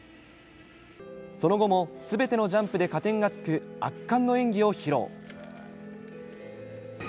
その後もすべてのジャンプで加点がつく圧巻の演技を披露。